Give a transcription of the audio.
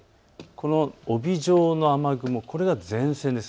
この帯状の雨雲、これが前線です。